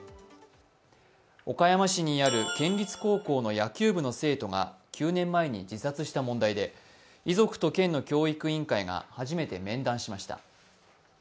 岡山市にある県立高校の野球部の生徒が９年前に自殺した問題で、遺族と県の教育委員会が初めて面談しました。